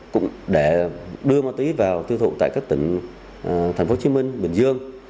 cũng để đưa ma túy vào tiêu thụ tại các tỉnh tp hcm bình dương